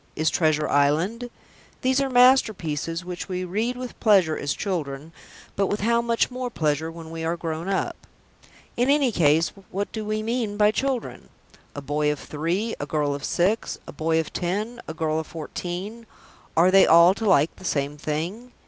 _ Is Treasure Island? These are masterpieces which we read with pleasure as children, but with how much more pleasure when we are grown up. In any case what do we mean by "children"? A boy of three, a girl of six, a boy of ten, a girl of fourteen are they all to like the same thing?